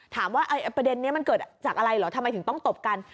ถามว่าประเด็นนี้มันเกิดจากอะไรเหรอทำไมถึงต้องตบกัน